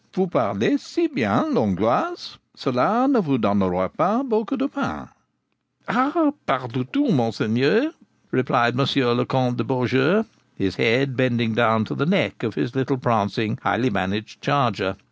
Vous parlez si bien l'Anglois, cela ne vous donneroit pas beaucoup de peine.' 'Ah! pas du tout, Monseigneur,' replied Mons. le Comte de Beaujeu, his head bending down to the neck of his little prancing highly managed charger.